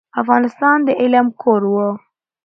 افغانستان د علم کور و.